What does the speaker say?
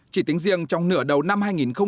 chỉ tính riêng trong nửa đầu năm hai nghìn một mươi chín